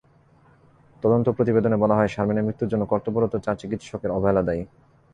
তদন্ত প্রতিবেদনে বলা হয়, শারমিনের মৃত্যুর জন্য কর্তব্যরত চার চিকিৎসকের অবহেলা দায়ী।